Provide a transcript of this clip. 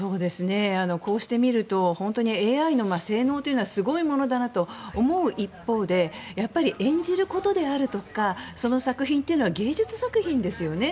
こうしてみると本当にＡＩの性能というのはすごいものだなと思う一方で演じることであるとかその作品というのは芸術作品ですよね。